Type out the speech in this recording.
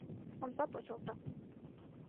Омса почылто.